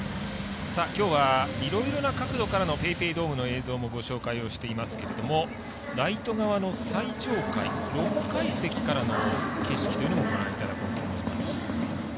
きょうはいろいろな角度からのＰａｙＰａｙドームの映像もご紹介をしていますけどもライト側の最上階、６階席からの景色というのもご覧いただこうと思います。